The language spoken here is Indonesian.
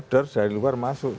dari luar masuk